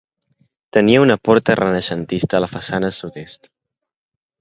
Tenia una porta renaixentista a la façana sud-est.